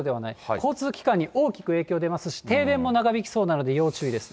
交通機関に大きく影響出ますし、停電も長引きそうなので、要注意です。